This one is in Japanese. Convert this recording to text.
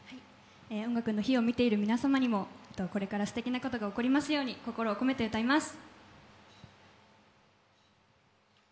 「音楽の日」を見ている皆様にもこれからすてきなことが起こりますように心を込めて歌います。